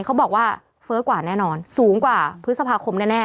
เขาบอกว่าเฟ้อกว่าแน่นอนสูงกว่าพฤษภาคมแน่